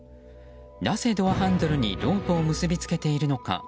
なぜ、ドアハンドルにロープを結び付けているのか。